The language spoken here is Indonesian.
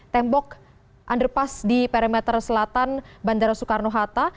tembok underpass di perimeter selatan bandara soekarno hatta